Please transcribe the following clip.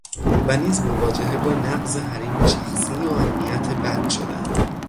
و نیز مواجهه با نقض حریم شخصی و امنیت بد شدند